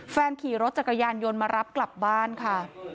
ขี่รถจักรยานยนต์มารับกลับบ้านค่ะ